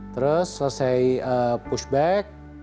terus selesai push back